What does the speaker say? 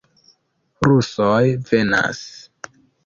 Rusoj venas!